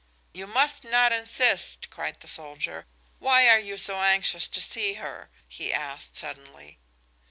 "You must not insist," cried the soldier. "Why are you so anxious to see her?" he asked, suddenly.